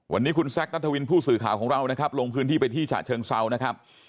วันนี้คุณแซคนัทวินผู้สื่อข่าวของเรานะครับลงพื้นที่ไปที่ฉะเชิงเซานะครับ